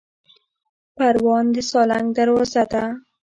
پروان د سالنګ دروازه ده